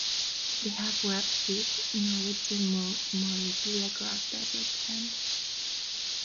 They have webbed feet in order to move more easily across desert sand.